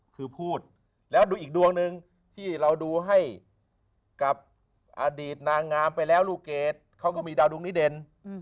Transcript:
คือพูดแล้วดูอีกดวงหนึ่งที่เราดูให้กับอดีตนางงามไปแล้วลูกเกดเขาก็มีดาวดวงนี้เด่น